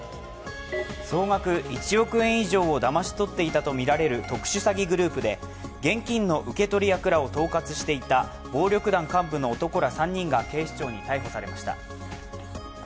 総額１億円以上をだまし取っていたとみられる特殊詐欺グループで現金の受け取り役らを統括していた暴力団幹部の男ら３人が警視庁に逮捕されました。